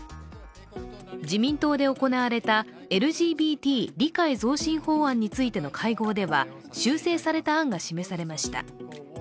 自民党で行われたＬＧＢＴ理解増進法案についての会合では修正された案が示されました。